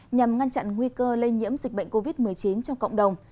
nhằm ngăn chặn nguy cơ lây nhiễm dịch bệnh covid một mươi chín trong cộng đồng